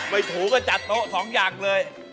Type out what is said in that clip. ไปถูก็จัดโต๊ะสองอย่างเลย